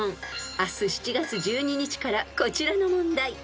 ［明日７月１２日からこちらの問題］